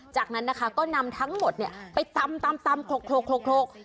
จากนั้นนะคะก็นำทั้งหมดเนี่ยไปตำตำตำโคกโคกโคกโคกโคก